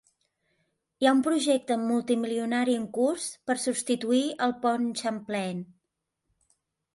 Hi ha un projecte multimilionari en curs per substituir el pont Champlain.